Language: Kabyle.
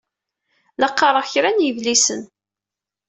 La qqaṛeɣ kra n yedlisen.